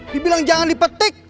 dibilang jangan dipetik